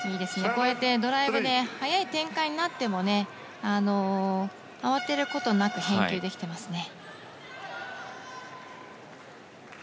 こうやってドライブで、速い展開になっても慌てることなく返球できていますね。